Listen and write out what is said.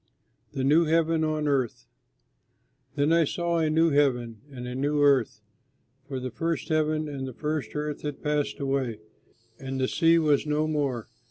THE NEW HEAVEN ON EARTH Then I saw a new heaven and a new earth, for the first heaven and the first earth had passed away and the sea was no more.